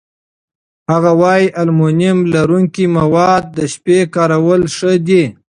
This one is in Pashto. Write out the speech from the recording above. هغه وايي المونیم لرونکي مواد د شپې کارول ښه دي.